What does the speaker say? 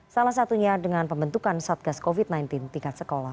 salah satunya dengan pembentukan satgas covid sembilan belas tingkat sekolah